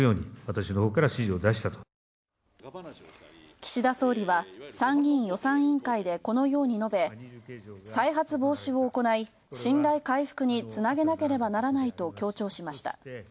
岸田総理は、参議院予算委員会でこのように述べ、再発防止を行い信頼回復につなげなければならないと強調しました。